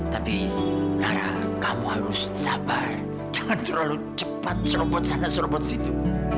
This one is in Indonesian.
tapi nara kamu harus sabar jangan terlalu cepat serobot sana serobot situ